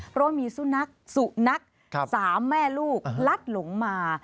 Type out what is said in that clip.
เพราะมีสุนัขสามแม่ลูกลัดหลงมา